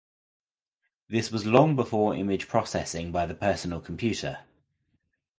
This was long before image processing by the personal computer.